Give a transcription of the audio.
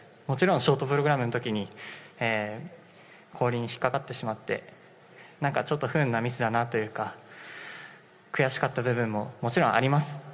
もちろん、ショートプログラムのときに、氷に引っ掛かってしまって、なんかちょっと不運なミスだなというか、悔しかった部分も、もちろんあります。